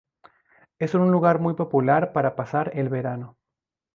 Es un lugar muy popular para pasar el verano.